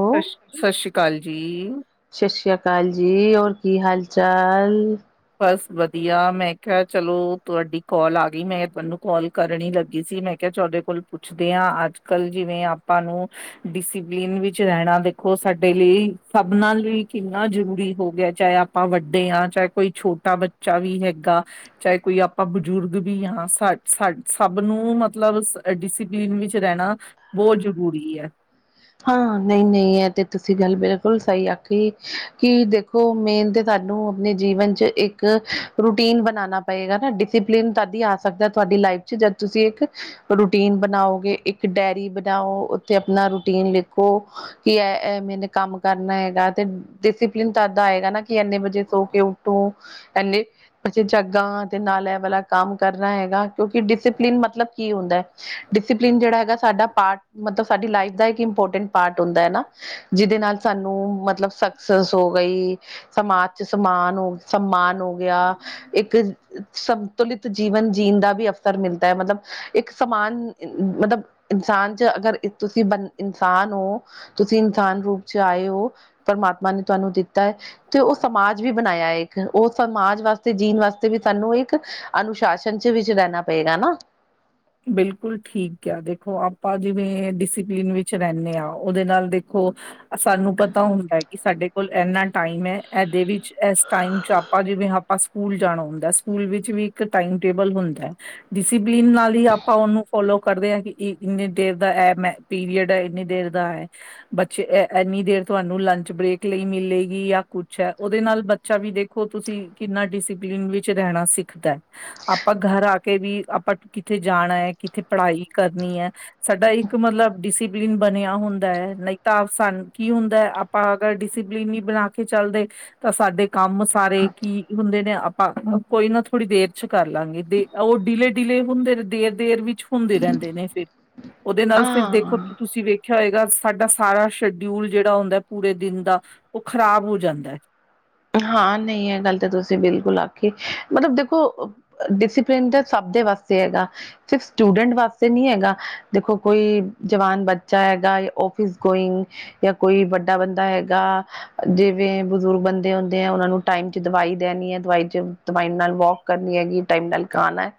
Hello ਸਤਿ ਸ਼੍ਰੀ ਅਕਾਲ ਜੀ। ਸਤਿ ਸ਼੍ਰੀ ਅਕਾਲ ਜੀ, ਹੋਰ ਕੀ ਹਾਲ ਚਾਲ? ਬਸ ਵਧੀਆ ਮੈਂ ਕਿਹਾ ਚਲੋ ਤੁਹਾਡੀ ਕੋਲ ਆ ਗਈ ਮੈਂ ਤੁਹਾਨੂੰ ਕਾਲ ਕਰਨੀ ਲੱਗੀ ਸੀ ਮੈਂ ਕਿਹਾ ਚ ਉਹਦੇ ਕੋਲ ਪੁੱਛਦੇ ਆ ਅੱਜ ਕੱਲ੍ਹ ਜਿਵੇਂ ਆਪਾਂ ਨੂੰ ਡਿਸਿਪਲਿਨ ਵਿੱਚ ਰਹਿਣਾ ਦੇਖੋ ਸਾਡੇ ਲਈ, ਸਭਨਾਂ ਲਈ ਕਿੰਨਾ ਜ਼ਰੂਰੀ ਹੋ ਗਿਆ ਚਾਹੇ ਆਪਾਂ ਵੱਡੇ ਆ ਚਾਹੇ ਕੋਈ ਛੋਟਾ ਬੱਚਾ ਵੀ ਹੈਗਾ। ਚਾਹੇ ਕੋਈ ਆਪਾਂ ਬਜ਼ੁਰਗ ਵੀ ਆ ਸਾ-ਸਾ ਸਭ ਨੂੰ ਮਤਲਬ ਐ ਡਿਸੀਪਲੀਨ ਵਿੱਚ ਰੈਣਾ ਬੌ ਜਰੂਰੀ ਐ। ਹਾਂ, ਨਈ ਨਈ ਐ ਤੇ ਤੁਸੀ ਗੱਲ ਬਿਲਕੁਲ ਸਈ ਆਖੀ ਕਿ ਦੇਖੋ ਦੇਖੋ, ਮੇਨ ਤੇ ਤਾਨੂੰ ਆਪਣੇ ਜੀਵਨ ਚ ਇੱਕ ਰੂਟੀਨ ਬਨਾਨਾ ਪਏਗਾ ਨਾ ਡਿਸਿਪਲਿਨ ਤੱਦ ਈ ਆ ਸਕਦੈ ਤੁਆਡੀ ਲਾਈਫ ਚ ਜਦ ਤੁਸੀ ਇੱਕ ਰੂਟੀਨ ਬਨਾਓਗੇ ਇੱਕ ਡੈਰੀ ਬਨਾਓ ਉੱਥੇ ਆਪਨਾ ਰੂਟੀਨ ਲਿਖੋ ਕਿ ਐ ਐ ਮੈਨੇ ਕੰਮ ਕਰਨਾ ਹੇਗਾ ਤੇ ਡਿਸਿਪਲਿਨ ਤੱਦ ਆਏਗਾ ਨਾ ਕਿ ਏਨੇ ਵਜੇ ਸੋ ਕੇ ਉੱਠੋ ਏਨੇ ਵਜੇ ਜਾਗਾਂ ਤੇ ਨਾਲ ਐ ਵਾਲਾ ਕੰਮ ਕਰਨਾ ਹੈਗਾ। ਕਿਉਂਕਿ ਡਿਸਿਪਲਿਨ ਮਤਲਬ ਕੀ ਹੁੰਦੈ ਡਿਸਿਪਲਿਨ ਜੇੜਾ ਹੈਗਾ ਸਾਡਾ ਪਾਰਟ ਮਤਲਬ ਸਾਡੀ ਲਾਈਫ ਦਾ ਏ ਇੰਪੋਰਟੈਂਟ ਪਾਰਟ ਹੁੰਦਾ ਐ ਨਾ ਜਿਦੇ ਨਾਲ ਸਾਨੂੰ ਮਤਲਬ ਸਕਸੈਸ ਹੋ ਗਈ। ਸਮਾਜ ਚ, ਸਮਾਨ ਹੋ, ਸਮਮਾਨ ਹੋ ਗਿਆ ਇੱਕ ਸੰਤੁਲਿਤ ਜੀਵਨ ਜੀਣ ਦਾ ਵੀ ਅਵਸਰ ਮਿਲਦਾ ਐ ਮਤਲਬ ਇੱਕ ਸਮਾਨ ਮਤਬ ਇਨਸਾਨ ਚ, ਅਗਰ ਤੁਸੀ ਬੰ ਇਨਸਾਨ ਓ ਤੁਸੀ ਇਨਸਾਨ ਰੂਪ ਚ ਆਏ ਓ ਪਰਮਾਤਮਾ ਨੇ ਤੁਆਨੂੰ ਦਿੱਤਾ ਐ ਤੇ ਓ ਸਮਾਜ ਵੀ ਬਨਾਇਆ ਏਕ ਓ ਸਮਾਜ ਵਾਸਤੇ, ਜੀਨ ਵਾਸਤੇ ਵੀ ਸਾਨੂੰ ਇੱਕ ਅਨੁਸ਼ਾਸਨ ਚ ਵਿੱਚ ਰੈਨਾ ਪਏਗਾ ਨਾ। ਬਿਲਕੁਲ ਠੀਕ ਕੇਆ ਦੇਖੋ ਆਪਾਂ ਜਿਵੇਂ ਡਿਸਿਪਲਿਨ ਵਿੱਚ ਰੈਨੇ ਆ ਓਦੇ ਨਾਲ ਦੇਖੋ ਸਾਨੂੰ ਪਤਾ ਹੁੰਦੈ ਕਿ ਸਾਡੇ ਕੋਲ ਏਨਾ ਟਾਈਮ ਐ ਐਦੇ ਵਿਚ ਐਸ ਟਾਈਮ ਚ ਆਪਾ ਜਿਵੇਂ ਆਪਾ ਕੂਲ ਜਾਣਾ ਹੁੰਦੈ ਸਕੂਲ ਵਿੱਚ ਵੀ ਇੱਕ ਟਾਈਮ ਟੇਬਲ ਹੁੰਦੈ ਡਿਸਿਪਲੀਨ ਨਾਲ ਈ ਅਪ ਆਪਾਂ ਉਨੂੰ ਫੋਲੋ ਕਰਦੇ ਆਂ ਕਿ ਇ ਇੰਨੀ ਦੇਰ ਦਾ ਐਮ ਐ ਪੀਰੀਅਡ ਐ ਇੰਨੀ ਦੇਰ ਦਾ ਐ ਬੱਚੇ ਐ ਏਨੀ ਦੇਰ ਤੁਆਨੂੰ ਲੰਚ ਬ੍ਰੇਕ ਲਈ ਮਿਲੇਗੀ ਯਾ ਕੁੱਛ ਐ ਓਦੇ ਨਾਲ ਬ ਚਾ ਵੀ ਦੇਖੋ ਤੁਸੀ ਕਿੰਨਾ ਡਿਸਪਲਿਨ ਵਿੱਚ ਰੈਣਾ ਸਿੱਖਦੈ। ਆਪਾਂ ਘਰ ਆ ਕੇ ਵੀ ਆਪਾਂ ਕਿੱਥੇ ਜਾਣਾ ਏ ਕਿੱਥੇ ਪੜ੍ਹਾਈ ਕਰਨੀ ਐ ਸਾਡਾ ਇੱਕ ਮਤਲਬ ਡਿਸਿਪਲਿਨ ਬਨਿਆ ਹੁੰਦਾ ਐ ਨਈ ਤਾਂ ਸਾਨ ਕੀ ਹੁੰਦੈ ਅਪ ਪਾਂ ਅਗਰ ਡਿਸਿਪਲਿਨ ਨੀ ਬਣਾ ਕੇ ਚੱਲਦੇ ਤਾ ਸਾਡੇ ਕੰਮ ਸਾਰੇ ਕੀ ਹੁੰਦੇ ਨੇ ਆਪਾਂ ਕੋਈ ਨਾ ਥੋੜੀ ਦੇਰ ਚ ਕਰ ਲਾਂਗੇ ਦੇ ਓ ਡਿਲੇ -ਡਿਲੇ ਹੁੰਦੇ ਦੇਰ-ਦੇਰ ਵਿੱਚ ਹੁੰਦੇ ਰੈਂਦੇ ਨੇ ਫਿਰ ਓਦੇ ਨਾਲ ਫਿਰ ਦੇਖੋ ਹਾਂ ਤੁਸੀ ਵੇਖਿਆ ਹੋਏਗਾ ਸਾਡਾ ਸਾਰਾ ਸ਼ਡਿਊਲ ਜੇੜਾ ਹੁੰਦੈ ਪੂਰੇ ਦਿਨ ਦਾ ਓ ਖਰਾਬ ਹੋ ਜਾਂਦੈ। ਹਾਂ ਨਈ ਐ ਗੱਲ ਤਾ ਤੁਸੀ ਬਿਲਕੁਲ ਆਖੀ ਮਤਲਬ ਦੇਖੋ ਡਿਸਿਪਲਿਨ ਤਾ ਸਬ ਦੇ ਵਾਸਤੇ ਹੇਗਾ। ਸਿਰਫ ਸਟੂਡੈਂਟ ਵਾਸਤੇ ਨੀ ਹੈਗਾ। ਦੇਖੋ ਕੋਈ ਜਵਾਨ ਬੱਚਾ ਹੈਗਾ, ਔਫਿਸ ਗੋਇੰਗ ਯਾ ਕੋਈ ਵੱਡਾ ਬੰਦਾ ਹੈਗਾ ਜਿਵੇਂ ਬਜ਼ੁਰਗ ਬੰਦ ਦੇ ਹੁੰਦੇ ਐ ਉਨਾਂ ਨੂੰ ਟਾਈਮ 'ਚ ਦਵਾਈ ਦੇਨੀ ਐ ਦਵਾਈ 'ਚ ਦਵਾਈ ਨਾਲ ਵੋਕ ਕਰਨੀ ਹੈਗੀ ਟਾਈਮ ਨਾਲ ਖਾਨੈ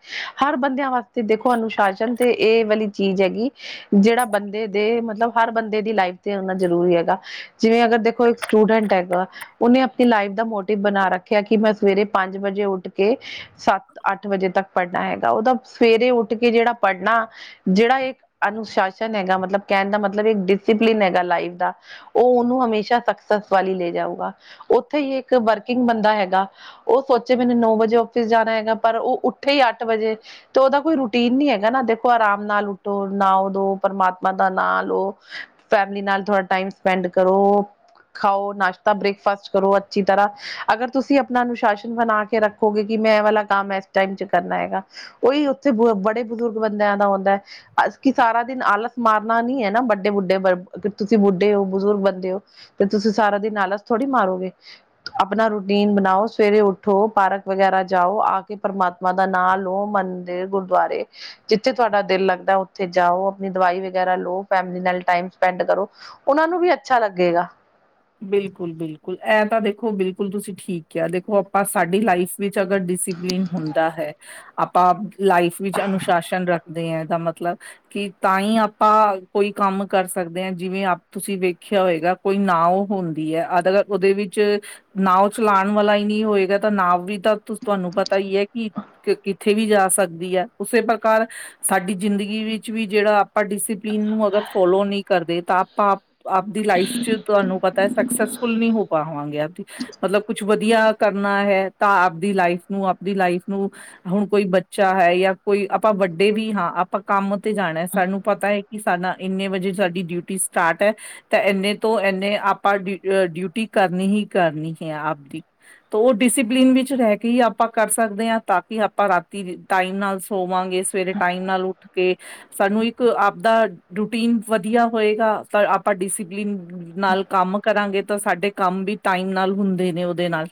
ਹਰ ਬੰਦਿਆਂ ਵਾਸਤੇ ਦੇਖੋ ਅਨੁਸ਼ਾਸ਼ਨ ਤੇ ਏ ਵਾਲੀ ਚੀਜ ਹੈਗੀ। ਜੇੜਾ ਬੰਦੇ ਦੇ ਮਤਲਬ ਹਰ ਬੰਦੇ ਦੀ ਲਾਈਫ ਤੇ ਹੋਨਾ ਜਰੂਰੀ ਹੈਗਾ ਜਿਵੇਂ ਅਗਰ ਦੇਖੋ ਇੱਕ ਸਟੂਡੈਂਟ ਹੈਗਾ ਓਨੇ ਲਾਈਫ ਦਾ ਮੋਟਿਵ ਬਨਾ ਰੱਖਿਆ ਕਿ ਮੈਂ ਸਵੇਰੇ ਪੰਜ ਵਜੇ ਉੱਠ ਕੇ ਸੱਤ -ਅੱਠ ਵਜੇ ਤੱਕ ਪੜਨਾ ਹੈਗਾ ਓਦਾ ਸਵੇਰੇ ਉੱਠ ਕੇ ਜੇੜਾ ਪੜਨਾ ਜੇੜਾ ਏਕ ਅਨੁਸ਼ਾਸ਼ਨ ਹੈਗਾ ਮਤਲਬ ਕੈਨ ਦਾ ਮਤਲਬ ਏਕ ਡਿਸੀਪਲਿਨ ਹੈਗਾ ਲਾਈਫ ਦਾ ਓ ਉਨੂੰ ਹਮੇਸ਼ਾ ਸਕਸਸ ਵੱਲ ਈ ਲੇ ਜਾਊਗਾ। ਓਥੇ ਹੀ ਇੱਕ ਵਰਕਿੰਗ ਬੰਦਾ ਹੈਗਾ ਓ ਸੋਚੇ ਮੈਨੂੰ ਨੌ ਵਜੇ ਔਫਿਸ ਜਾਣਾ ਹੈਗਾ ਪਰ ਓ ਉੱਠੇ ਈ ਅੱਠ ਵਜੇ ਤੇ ਓਦਾ ਕੋਈ ਰੂਟੀਨ ਨੀ ਹੈਗਾ ਨਾ ਦੇਖੋ ਆਰਾਮ ਨਾਲ ਉੱਠੋ ਨਾਓ ਧੋਓ ਪ੍ਰਮਾਤਮਾ ਦਾ ਨਾਂ ਲਓ। ਫੈਮਲੀ ਨਾਲ ਥੋੜਾ ਟਾਈਮ ਸਪੈਂਡ ਕਰੋ ਖਾਓ ਨਾਸ਼ਤਾ ਬ੍ਰੇਕਫਾਸਟ ਕਰੋ ਛੀ ਤਰ੍ਹਾਂ ਅਗਰ ਤੁਸੀਂ ਅਪਨਾ ਅਨੁਸ਼ਾਸਨ ਬਣਾ ਕੇ ਰੱਖੋਗੇ ਕਿ ਮੈਂ ਐ ਵਾਲਾ ਕੰਮ ਏਸ ਟਾਈਮ ਚ ਕਰਨਾ ਹੈਗਾ। ਓਈ ਓਥੇ ਬ ਬੜੇ ਬਜ਼ੁਰਗ ਬੰਦਿਆਂ ਦਾ ਹੁੰਦੈ ਕਿ ਸਾਰਾ ਦਿਨ ਆਲਸ ਮਾਰਨਾ ਨੀਐ ਨਾ ਵੱਡੇ ਬੁੱਡੇ ਤੁਸੀਂ ਬੁੱਢੇ ਓ ਬਜ਼ੁਰਗ ਬੰਦੇ ਓ, ਤੇ ਤੁਸੀ ਸਾਰਾ ਦੀ ਆਲਸ ਥੋੜ੍ਹੀ ਮਾਰੋਗੇ। ਅਪਨਾ ਰੂਟੀਨ ਬਨਾਓ ਸਵੇਰੇ ਉੱਠ ਉਠੋ ਪਾਰਕ ਵਗੈਰਾ ਜਾਓ ਆਕੇ ਪ੍ਰਮਾਤਮਾ ਦਾ ਨਾਂ ਲਓ, ਮੰਦਿਰ, ਗੁਰਦੁਆਰੇ ਜਿੱਥੇ ਤੁਆਡਾ ਦਿਲ ਲੱਗਦੈ ਓਥੇ ਜਾਓ, ਅਪਨੀ ਦਵਾਈ ਵਗੈਰਾ ਲੋ, ਫੈਮਲੀ ਨਾਲ ਟਾਈਮ ਸਪੈਂਡ ਕਰੋ। ਓਨਾਂ ਨੂੰ ਵੀ ਅੱਛਾ ਲੱਗੇਗਾ। ਬਿਲਕੁਲ-ਬਿਲਕੁਲ ਐ ਤਾਂ ਦੇਖੋ, ਬਿਲਕੁਲ ਤੁਸੀਂ ਠੀਕ ਕਕੇਯਾ ਦੇਖੋ, ਆਪਾਂ ਸਾਡੀ ਲਾਈਫ ਵਿੱਚ ਅਗਰ ਡਿਸਿਪਲਿਨ ਹੁੰਦਾ ਹੈ ਆਪਾਂ ਲਾਈਫ ਵਿੱਚ ਅਨੁਸ਼ਾਸਨ ਰੱਖਦੇ ਆਂ, ਏਦਾ ਮਤਲਬ ਕਿ ਤਾਂਈਂ ਆਪਾਂ ਕੋਈ ਕੰਮ ਕਰ ਸਕਦੇ ਆਂ, ਜਿਵੇਂ ਤੁਸੀਂ ਵੇਖਿਆ ਹੋਏਗਾ ਕੋਈ ਨਾਓ ਹੁੰਦੀ ਐ, ਅਗਰ ਓਦੇ ਵਿੱਚ ਨਾਵ ਚਲਾਣ ਵਾਲਾ ਹੀ ਨੀਂ ਹੋਏਗਾ ਤਾਂ ਨਾਵ ਵੀ ਤਾਂ ਤੁਆਨੂੰ ਪਤਾ ਈਐ ਕਿ ਕਿੱਥੇ ਵੀ ਜਾ ਸਕਦੀ ਐ, ਉਸੇ ਪ੍ਰਕਾਰ ਸਾਡੀ ਜ਼ਿੰਦਗੀ ਵਿੱਚ ਵੀ ਜੇੜਾ ਆਪਾਂ ਡਿਸਪਲਿਨ ਨੂੰ ਅਗਰ ਫੋਲੋ ਨਈਂ ਕਰਦੇ ਤਾਂ ਆਪਾਂ ਆਪਦੀ ਲਾਈਫ ਚ ਤੁਆਨੂੰ ਪਤੈ ਸਕਸੈਸਫੁਲ ਨੀਂ ਹੋ ਪਾਵਾਂਗੇ ਆਪਦੀ। ਮਤਲਬ ਕੁਛ ਵਧੀਆ ਕਰਨਾ ਹੈ ਤਾਂ ਆਪਦੀ ਲਾਈਫ ਨੂੰ ਆਪਦੀ ਲਾਈਫ ਨੂੰ ਹੁਣ ਕੋਈ ਬੱਚਾ ਹੈ ਜਾਂ ਕੋਈ ਆਪਾਂ ਵੱਡੇ ਵੀ ਹਾਂ, ਆਪਾਂ ਕੰਮ ਤੇ ਜਾਣਾ ਸਾਨੂੰ ਪਤੈ ਕਿ ਸਾਡਾ ਇੰਨੇ ਵਜੇ ਸਾਡੀ ਡਿਊਟੀ ਸਟਾਰਟ ਤੇ ਇਨੇ ਤੋਂ ਇਨੇ ਆਪਾਂ ਡਿਊਹ ਡਿਊਟੀ ਕਰਨੀ ਹੀ ਕਰਨੀ ਹੈ ਆਪਦੀ। ਤੋ ਡਿਸਪਲਿਨ ਵਿੱਚ ਰਹਿ ਕੇ ਹੀ ਆਪਾਂ ਕਰ ਸਕਦੇ ਆਂ ਤਾਂ ਕਿ ਆਪਾਂ ਰਾਤੀ ਟਾਈਮ ਨਾਲ ਸੋਵਾਂਗੇ, ਸਵੇਰੇ ਟਾਈਮ ਨਾਲ ਉੱਠ ਕੇ ਸਾਨੂੰ ਇੱਕ ਆਪਦਾ ਰੂਟੀਨ ਵਧੀਆ ਹੋਏਗਾ ਤਾਂ ਆਪਾਂ ਡਿਸਪਲਿਨ ਨਾਲ ਕੰਮ ਕਰਾਂਗੇ, ਤਾਂ ਸਾਡੇ ਕੰਮ ਵੀ ਟਾਈਮ ਨਾਲ ਹੁੰਦੇ ਨੇ ਉਦੇ ਨਾਲ।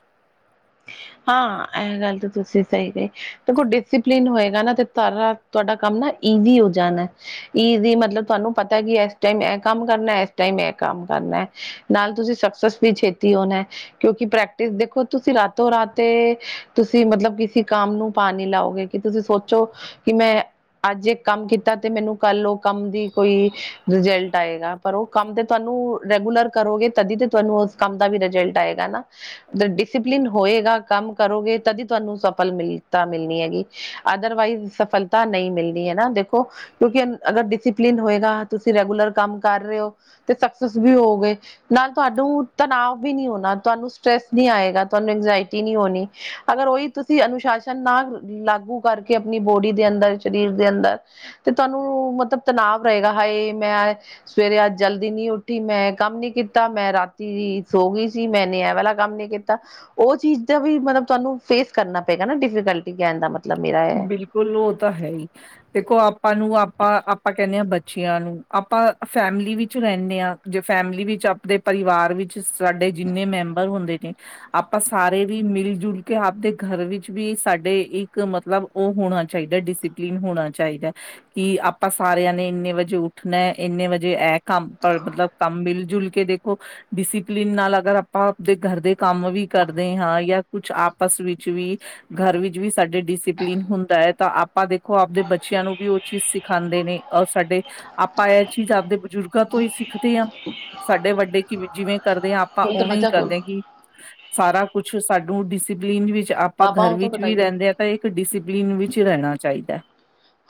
ਹਾਂ, ਐ ਗੱਲ ਤਾਂ ਤੁਸੀਂ ਸਈ ਕਯੀ ਦੇਖੋ, ਡਿਸਪਲਨ ਹੋਏਗਾ ਨਾ ਤੇ ਸਾਰਾ ਤੁਆਡਾ ਕੰਮ ਨਾ ਈਜ਼ੀ ਹੋ ਜਾਣਾ। ਈਜ਼ੀ ਮਤਲਬ ਤੁਆਨੂੰ ਪਤਾ ਕਿ ਇਸ ਟਾਈਮ ਐ ਕੰਮ ਕਰਨਾ, ਇਸ ਟਾਈਮ ਐ ਕੰਮ ਕਰਨਾ। ਨਾਲ ਤੁਸੀ ਸਕਸੈਸ ਵੀ ਛੇਤੀ ਹੋਣਾ, ਕਿਉਂਕਿ ਪ੍ਰੈਕਟਿਸ ਦੇਖੋ ਤੁਸੀਂ ਰਾ ਤੋਂ ਰਾਤੇ ਤੁਸੀਂ ਮਤਲਬ ਕਿਸੇ ਕੰਮ ਨੂੰ ਪਾਣੀ ਲਾਓਗੇ ਕਿ ਤੁਸੀਂ ਸੋਚੋ ਕਿ ਮੈਂ ਅੱਜ ਇੱਕ ਕੰਮ ਕੀਤਾ ਤੇ ਮੈਨੂੰ ਕੱਲ ਉਹ ਕੰਮ ਦੀ ਕੋਈ ਰਿਜਲਟ ਆਏਗਾ। ਪਰ ਓ ਕੰਮ ਤੇ ਤੁਆਨੂੰ ਰੈਗੂਲਰ ਕਰੋਗੇ ਤਦੀ ਤੇ ਤੁਆਨੂੰ ਉਸ ਕੰਮ ਦਾ ਵੀ ਰਿਜਲਟ ਆਏਗਾ ਨਾ। ਤੇ ਡਸੀਪਲੀਨ ਹੋਏਗਾ ਕੰਮ ਕਰੋਗੇ ਤਦੀ ਤੁਆਨੂੰ ਸਫਲ ਮਿਲ ਤਾਂ ਮਿਲਣੀ ਹੈਗੀ, ਅਦਰਵਾਈਜ਼ ਸਫਲ ਤਾਂ ਨਈਂ ਮਿਲਨੀ ਹੈਨਾ ਦੇਖੋ, ਕਿਉਂਕਿ ਅਗਰ ਡਸੀਪਲਿਨ ਹੋਏਗਾ ਤੁਸੀਂ ਰੈਗੂਲਰ ਕੰਮ ਕਰ ਰੇਓ ਤੇ ਸਕਸਸ ਵੀ ਹੋਓਗੇ ਨਾਲ ਤੁਆਨੂੰ ਤਨਾਵ ਵੀ ਨੀ ਹੋਣਾ, ਤੁਆਨੂੰ ਸਟਰ੍ਰੈਸ ਨੀ ਆਏਗਾ। ਤੁਆਨੂੰ ਇੰਗਜਾਇਟੀ ਨੀ ਹੋਣੀ, ਅਗਰ ਓਈ ਤੁਸੀ ਅਨੁਸ਼ਾਸਨ ਨਾ ਲਾਗੂ ਕਰਕੇ ਸੀ ਅਪਨੀ ਬੋਡੀ ਦੇ ਅੰਦਰ, ਸਰੀਰ ਦੇ ਅੰਦਰ ਤੇ ਤੁਆਨੂੰ ਮਤਲਬ ਤਨਾਵ ਰਏਗਾ ਹਾਏ! ਮੈਂ ਸਵੇਰੇ ਅੱਜ ਜਲਦੀ ਨੀ ਉੱਠੀ, ਮੈਂ ਕੰਮ ਨੀ ਕੀਤਾ, ਮੈਂ ਰਾਤੀ ਸੋ ਗਈ ਸੀ, ਮੈਂਨੇ ਐ ਵਾਲਾ ਕੰਮ ਨੀ ਕੀਤਾ। ਓ ਚੀਜ ਦਾ ਵੀ ਮਤਲਬ ਤੁਆਨੂੰ ਫੇਸ ਕਰਨਾ ਪਏਗਾ ਨਾ ਡਿਫੀਕਲਟੀ, ਕੈਣ ਦਾ ਮਤਲਬ ਮੇਰਾ ਐ। ਬਿਲੁਲ, ਓ ਤਾਂ ਹੈਈ। ਦੇਖੋ, ਆਪਾਂ ਨੂੰ ਆਪਾਂ ਆਪਾਂ ਕੈਦੇ ਆਂ ਬੱਚਿਆਂ ਨੂੰ, ਆਪਾਂ ਫੈਮਿਲੀ ਵਿੱਚ ਰੈਂਦੇ ਆਂ ਜੇ ਫੈਮਲੀ ਵਿੱਚ ਅਪਣੇ ਪਰਿਵਾਰ ਵਿੱਚ ਸਾਡੇ ਜਿੰਨੇ ਮੈਂਬਰ ਹੁੰਦੇ ਨੇ ਆਪਾਂ ਸਾਰੇ ਵੀ ਮਿਲ-ਜੁਲ ਕੇ ਆਪਦੇ ਘਰ ਵਿੱਚ ਵੀ ਸਾਡੇ ਇੱਕ ਮਤਲਬ ਉਹ ਹੋਣਾ ਚਾਹੀਦਾ, ਡਿਸਿਪਲਿਨ ਹੋਣਾ ਚਾਈਦਾ। ਕਿ ਆਪਾਂ ਸਾਰਿਆਂ ਨੇ ਇੰਨੇ ਵਜੇ ਉੱਠਣਾ, ਐਨੇ ਵਜੇ ਐ ਕੰਮ ਪਰ ਮਤਲਬ ਕੰਮ ਮਿਲ ਜੁਲ ਕੇ ਦੇਖੋ ਡਿਸਿਪਲਿਨ ਨਾਲ ਅਗਰ ਆਪਾਂ ਆਪਦੇ ਗਰ ਦੇ ਕੰਮ ਵੀ ਕਰਦੇ ਆਂ ਜਾਂ ਕੁਛ ਆਪਸ ਵਿੱਚ ਵੀ ਘਰ ਵਿੱਚ ਵੀ ਸਾਡੇ ਡੀ ਸੀ ਕਲੀਨ ਹੁੰਦਾ ਆ, ਤਾਂ ਆਪਾਂ ਦੇਖੋ ਆਪਦੇ ਬੱਚਿਆਂ ਨੂੰ ਵੀ ਉਹ ਚੀਜ਼ ਸਿਖਾਉਂਦੇ ਨੇ ਅ ਸਾਡੇ ਆਪਾਂ ਐਹ ਚੀਜ਼ ਆਪਦੇ ਬਜ਼ੁਰਗਾਂ ਤੋਂ ਹੀ ਸਿੱਖਦੇ ਆਂ, ਸਾਡੇ ਵੱਡੇ ਕਿਵੇਂ ਜਿਵੇਂ ਕਰਦੇ ਆਂ, ਆਪਾਂ ਹੁਣ ਤਾਂ ਉਵੇਂ ਹੀ ਬੱਚਾ ਕੋਣ ਕਰਦੇ ਕਿ, ਸਾਰਾ ਕੁਛ ਸਾਨੂੰ ਡਿਸਪਲਿਨ ਵਿੱਚ ਆਪ ਆਪਾਂ ਘਰ ਪਾਪਾਓ ਤੋਂ ਵਿੱਚ ਵੀ ਬਤਾਈਓ ਰਹਿੰਦੇ ਆਂ, ਤਾਂ ਇੱਕ ਡਿਸਿਪਲਿਨ ਵਿੱਚ ਰਹਿਣਾ ਚਾਹੀਦਾ।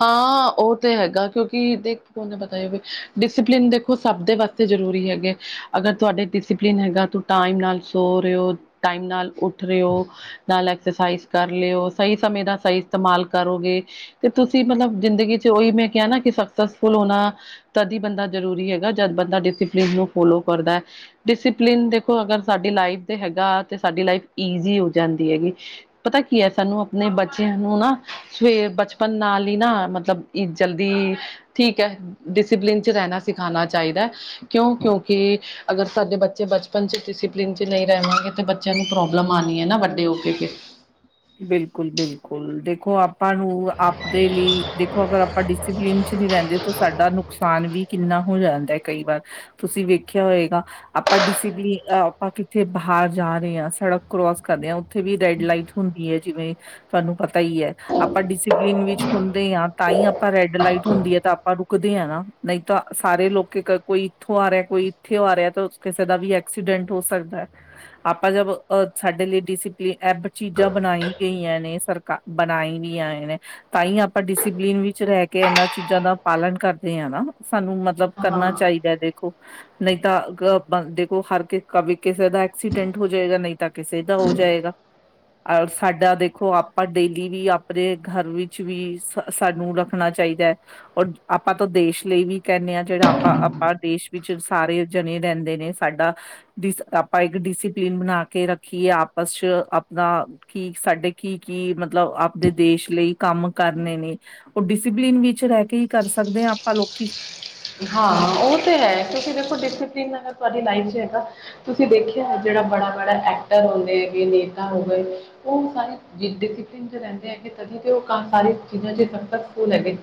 ਹਾਂ ਉਹ ਤੇ ਹੈਗਾ, ਕਿਉਂਕਿ ਦੇਖੋ ਹੁਣ ਪਤਾ ਹੋਵੇ ਡਿਸਪਲਿਨ ਦੇਖੋ ਸਭ ਦੇ ਵਾਸ ਬਹੁਤ ਜ਼ਰੂਰੀ ਹੈਗੇ, ਅਗਰ ਤੁਹਾਡੇ ਡਿਸਪਲਿਨ ਹੈਗਾ, ਤੂੰ ਟਾਈਮ ਨਾਲ ਸੋ ਰਹੇ ਹੋ ਟਾਈਮ ਨਾਲ ਉੱਠ ਰਹੇ ਹੋ ਨਾਲ ਐਕਸਰਸਾਈਜ਼ ਕਰ ਲਿਓ, ਸਹੀ ਸਮੇਂ ਦਾ ਸਹੀ ਇਸਤੇਮਾਲ ਕਰੋਗੇ, ਤੇ ਤੁਸੀਂ ਮਤਲਬ ਜ਼ਿੰਦਗੀ 'ਚ ਉਹੀ ਮੈਂ ਕਿਹਾ ਨਾ ਕਿ ਸਕਸੈਸਫੁੱਲ ਹੋਣਾ ਤਦ ਹੀ ਬੰਦਾ ਜ਼ਰੂਰੀ ਹੈਗਾ, ਜਦ ਬੰਦਾ ਡਿਸਪਲਿਨ ਨੂੰ ਫੋਲੋ ਕਰਦਾ। ਡਿਸਪਲਿਨ ਦੇਖੋ ਅਗਰ ਸਾਡੀ ਲਾਈਫ ਦੇ ਹੈਗਾ, ਤੇ ਸਾਡੀ ਲਾਈਫ ਈਜ਼ੀ ਹੋ ਜਾਂਦੀ ਹੈਗੀ। ਪਤਾ ਕੀ ਹੈ ਸਾਨੂੰ ਆਪਣੇ ਬੱਚਿਆਂ ਨੂੰ ਨਾ ਸਵੇ ਬਚ ਬਚਪਨ ਨਾਲ ਹੀ ਨਾ ਮਤਲਬ, ਜਲਦੀ ਠੀਕ ਹੈ। ਡਿਸਿਪਲਿਨ 'ਚ ਰਹਿਣਾ ਸਿਖਾਉਣਾ ਚਾਈਦਾ, ਕਿਉਂ ਕਿਉਂਕਿ ਅਗਰ ਸਾਡੇ ਬੱਚੇ ਬਚਪਨ 'ਚ ਡਿਸਪਲਿਨ 'ਚ ਨਹੀਂ ਰਹਿਣਗੇ ਤਾਂ ਬੱਚਿਆਂ ਨੂੰ ਪ੍ਰੋਬਲਮ ਆਉਣੀ ਹੈ ਨਾ ਵੱਡੇ ਹੋ ਕੇ ਫਿਰ। ਬਿਲਕੁਲ ਬਿਲਕੁਲ, ਦੇਖੋ ਆਪਾਂ ਨੂੰ, ਆਪਦੇ ਲਈ ਦੇਖੋ ਅਗਰ ਆਪਾਂ ਡਿਸ ਡਿਸੀਪਲਿਨ 'ਚ ਨੀ ਰੈਂਦੇ ਤੇ ਸਾਡਾ ਨੁਕਸਾਨ ਵੀ ਕਿੰਨਾ ਹੋ ਜਾਂਦਾ ਕਈ ਵਾਰ। ਤੁਸੀ ਵੇਖਿਆ ਹੋਏਗਾ ਆਪਾਂ ਡਿਸੀਪਲਿਨ, ਅ ਆਪਾਂ ਕਿਥੇ ਬਾਹਰ ਜਾ ਰਹੇ ਆ, ਸੜਕ ਕਰੋਸ ਕਰ ਰਹੇ ਆ, ਉੱਥੇ ਵੀ ਰੈਡ ਲਾਈਟ ਹੁੰਦੀਆ ਜਿਵੇਂ, ਤੁਹਾਨੂੰ ਪਤਾ ਹੀ ਐ। ਆਪਾਂ ਡਿਸਿਪਲਿਨ ਵਿੱਚ ਹੁੰਦੇ ਆ, ਤਾਂ ਹੀ ਆਪਾਂ ਰੈਡ ਲਾਈਟ ਹੁੰਦੀ ਆ, ਤਾ ਆਪਾਂ ਰੁਕਦੇ ਆ ਨਾ। ਨਈ ਤਾਂ, ਸਾਰੇ ਲੋਕੀ ਕੋਈ ਇੱਥੋਂ ਆ ਰਿਆ, ਕੋਈ ਇੱਥੇ ਆ ਰਿਆ, ਤਾਂ ਕਿਸੇ ਦਾ ਵੀ ਐਕਸੀਡੈਂਟ ਹੋ ਸਕਦਾ। ਆਪਾਂ ਜਬ, ਅ ਸਾਡੇ ਲਈ ਡਿਸੀਪਲੀਨ ਐਪਡ ਚੀਜ਼ਾ ਬਣਾਈ ਗਈਆ ਨੇ, ਸਰਕਾਰ, ਬਨਾਈ ਵੀਆਂ ਨੇ ਤਾਂ ਹੀ ਆਪਾਂ ਡਿਸਪਲਿਨ ਵਿੱਚ ਰਹਿ ਕੇ ਐਨਾਂ ਚੀਜ਼ਾ ਦਾ ਪਾਲਣ ਕਰਦੇ ਆ ਨਾ ਸਾਨੂੰ ਮਤਲਬ ਹਾਂ ਕਰਨਾ ਚਾਹੀਦਾ ਦੇਖੋ ਨਈ ਤਾਂ ਆਪਾਂ ਦੇਖੋ ਹਰ ਕ, ਕਬੀ ਕਿਸੇ ਦਾ ਐਕਸੀਡੈਂਟ ਹੋ ਜਾਏਗਾ ਨਈ ਤਾਂ ਕਿਸੇ ਦਾ ਹੋ ਜਾਏਗਾ। ਅ ਸਾਡਾ ਦੇਖੋ ਆਪਾਂ ਡੇਲੀ ਵੀ ਆਪਣੇ ਘਰ ਵਿੱਚ ਵੀ ਸ ਸਾਨੂੰ ਰੱਖਣਾ ਚਾਈਦਾ। ਔਰ ਆਪਾਂ ਤਾਂ ਦੇਸ਼ ਲਈ ਵੀ ਕੈਨੇ ਆ, ਜੇੜੇ ਆਪਾਂ, ਆਪਾਂ ਦੇਸ਼ ਵਿੱਚ ਸਾਰੇ ਜਣੇ ਰੈਂਦੇ ਨੇ ਸਾਡਾ, ਡਿਸ, ਆਪਾਂ ਇੱਕ ਡਿਸਪਲਿਨ ਬਣਾ ਕੇ ਰੱਖੀਏ ਆਪਸ 'ਚ ਅਪ ਨਾ, ਕੀ ਸਾਡੇ ਕੀ- ਕੀ ਮਤਲਬ ਆਪਦੇ ਦੇਸ਼ ਲਈ ਕੰਮ ਕਰਨੇ ਨੇ ਉਹ ਡਿਸਿਪਲਿਨ ਵਿੱਚ ਰੈ ਕੇ ਹੀ ਕਰ ਸਕਦੇ ਆਪਾਂ ਲੋਕੀ। ਹਾਂ ਉਹ ਤੇ ਹੈ, ਕਿਉਂਕਿ ਦੇਖੋ ਡਿਸਪਲਿਨ ਹੈ ਤੁਆਡੀ ਲਾਈਫ 'ਚ ਹੈਗਾ ਤੁਸੀ ਦੇਖਿਆ ਜੇੜਾ ਬੜਾ- ਬੜਾ ਐਕਟਰ ਹੁੰਦੇ, ਨੇਤਾ ਹੋ ਗਏ ਉਹ ਸਾਰੇ ਡਿਸਪਲਿਨ 'ਚ ਰੈਂਦੇ ਹੈਗੇ ਤਦ ਹੀ ਤੇ ਉਹ ਸਾਰੇ ਚੀਜਾਂ 'ਚ ਸਕੇਸਫੁੱਲ ਹੈਗੇ।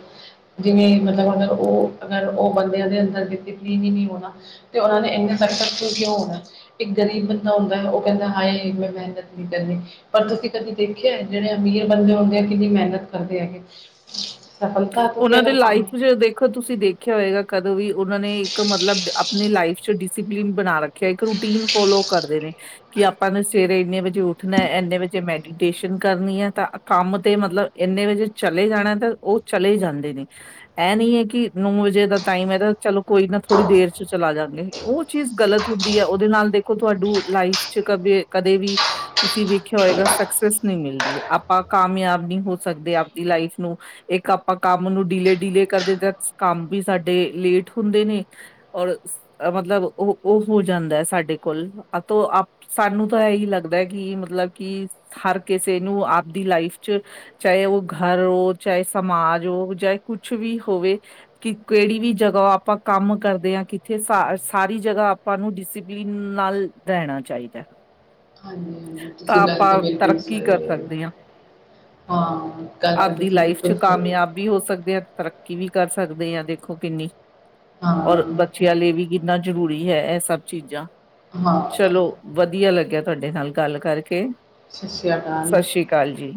ਜਿਵੇ ਮਤਲਬ ਅਗਰ ਓ, ਅਗਰ ਉਹ ਬੰਦਿਆਂ ਦੇ ਅੰਦਰ ਡਿਸਪਲੀਨ ਹੀ ਨਈ ਹੋਨਾ ਤੇ ਉਹਨਾਂ ਨੇ ਐਨੇ ਸਕਸੇਸਫੁੱਲ ਕਿਉਂ ਹੋਣਾ। ਇੱਕ ਗ਼ਰੀਬ ਬੰਦਾ ਹੁੰਦਾ, ਉਹ ਕੈਂਦਾ, ਹਾਏ ਮੈਂ ਮੇਹਨਤ ਨਈ ਕਰਨੀ ਪਰ ਤੁਸੀ ਕਦੀ ਦੇਖਿਆ ਜੇੜੇ ਅਮੀਰ ਬੰਦੇ ਹੁੰਦੇ, ਉਹ ਕਿੰਨੀ ਮੇਹਨਤ ਕਰਦੇ ਹੈਗੇ। ਸਫਲਤਾ ਤੁਸੀ ਅਗਰ ਪਾਣਾ ਅ ਤੁਸੀਂ ਦੇਖਿਆ ਹੋਏਗਾ। ਕਦੋ ਵੀ ਓਨਾਂ ਨੇ ਇੱਕ ਮਤਲਬ ਨੇ ਲਾਈਫ ਚ ਡਿਸਿਪਲਿਨ ਬਣਾ ਰੱਖਿਆ। ਇੱਕ ਰੂਟੀਨ ਫੋਲੋ ਕਰਦੇ ਨੇ ਕਿ ਆਪਾਂ ਨੇ ਸਵੇਰੇ ਇੰਨੇ ਵਜੇ ਉੱਠਨਾ, ਇੰਨੇ ਵਜੇ ਮੈਡੀਟੇਸ਼ਨ ਕਰਨੀ ਐ ਤਾਂ ਕੰਮ ਤੇ ਮਤਲਵ ਏਂਨੇ ਵਜੇ ਚਲੇ ਜਾਣਾ ਤਾ ਓ ਚਲੇ ਜਾਂਦੇ ਨੇ। ਐ ਨੀ ਹੈ ਕਿ ਨੌ ਵਜੇ ਦਾ ਟਾਈਮ ਹੈ ਤਾਂ ਚਲੋ ਕੋਈ ਨਾ ਥੋੜੀ ਦੇਰ ਚ ਚਲਾ ਜਾਂਗੇ। ਓ ਚੀਜ਼ ਗਲਤ ਹੁੰਦੀ ਹੈ। ਓਦੇ ਨਾਲ ਦੇਖੋ ਤੁਆਡੂੰ ਲਾਈਫ ਚ ਕਦੇ ਕਦੇ ਵੀ ਤੁਸੀਂ ਵੇਖਿਆ ਹੋਏਗਾ ਸਕਸੈਸ ਨਈ ਮਿਲਦੀ ਏ। ਆਪਾਂ ਕਾਮਯਾਬ ਨਈ ਹੋ ਸਕਦੇ, ਆਪਦੀ ਲਾਈਫ ਨੂੰ ਇੱਕ ਆਪਾਂ ਕੰਮ ਨੂੰ ਡੀਲੇ -ਡੀਲੇ ਕਰਦੇ ਦਾ, ਕੰਮ ਵੀ ਸਾਡੇ ਲੇਟ ਹੁੰਦੇ ਨੇ ਓਰ ਮਤਲਬ ਓ ਓਹ ਹੋ ਜਾਂਦਾ ਐ ਸਾਡੇ ਕੋਲ। ਅੰਤੋ ਆਪ ਸਾਨੂੰ ਤਾਂ ਇਹੀ ਲੱਗਦਾ ਕਿ ਮਤਲਬ ਕਿ ਹਰ ਕਿਸੇ ਨੂੰ ਆਪਦੀ ਲਾਈਫ ਚ ਚਾਏ ਓ ਘਰ ਹੋ ਚਾਏ ਸਮਾਜ ਹੋ, ਚਾਏ ਕੁਛ ਵੀ ਹੋਵੇ ਕਿ ਕੇਅੜੀ ਵੀ ਜਗਾ ਆਪਾਂ ਕੰਮ ਕਰਦੇ ਆ। ਕਿੱਥੇ ਸ ਸਾਰੀ ਜਗਾ ਆਪਾਂ ਨੂੰ ਡਿਸਿਪਲਿਨ ਨਾਲ ਰੈਣਾ ਚਾਈਦਾ। ਹਾਂਜੀ- ਹਾਂਜੀ। ਤੁਸੀ ਗੱਲ ਤੇ ਬਿਲਕੁਲ ਤਰੱਕੀ ਕਰ ਸਈ ਸਕਦੇ ਹਾਂ ਹਾਂ। ਗੱਲ ਤੇ ਆਪਦੀ ਤੁਸੀ ਲਾਈਫ ਚ ਬਿਲਕੁਲ ਸਈ ਕਾਮਯਾਬ ਵੀ ਹੋ ਸਕਦੇ ਆ। ਤਰੱਕੀ ਵੀ ਕਰ ਸਕਦੇ ਆ। ਦੇਖੋ ਕਿੰਨੀ। ਓਰ ਹਾਂ ਬੱਚਿਆ ਲਈ ਵੀ ਕਿੰਨਾ ਜ਼ਰੂਰੀ ਐ। ਇਹ ਸਭ ਚੀਜ਼ਾ। ਹਾਂ ਚਲੋ ਵਧੀਆ ਲੱਗਿਆ ਤੁਆਡੇ ਨਾਲ ਗੱਲ ਕਰਕੇ। ਸਸੀਆ ਕਾਲ। ਕਾਲ ਜੀ।